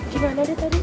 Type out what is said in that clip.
gimana deh tadi